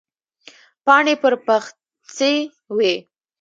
پاڼې پر پخڅې وې.